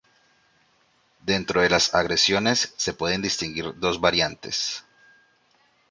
Dentro de las agresiones se pueden distinguir dos variantes.